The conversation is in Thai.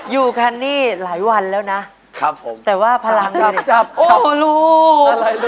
ยูแค่นี้หลายวันแล้วนะแต่ว่าพลังหรือโอ้วลูกไอ้ลูก